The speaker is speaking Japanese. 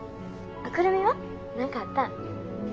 久留美は何かあったん？